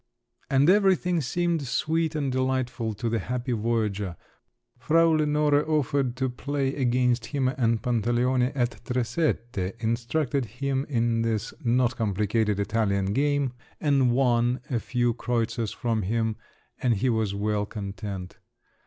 And everything seemed sweet and delightful to the happy voyager. Frau Lenore offered to play against him and Pantaleone at "tresette," instructed him in this not complicated Italian game, and won a few kreutzers from him, and he was well content.